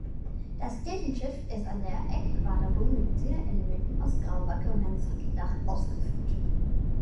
Das Kirchenschiff ist an der Eckquaderung mit Zierelementen aus Grauwacke und einem Satteldach ausgeführt.